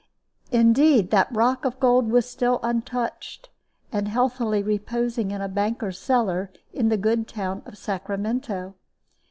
Indeed, that rock of gold was still untouched, and healthily reposing in a banker's cellar in the good town of Sacramento.